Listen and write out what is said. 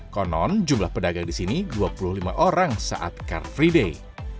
konon jumlah pedagang di sini dua puluh lima orang saat car free day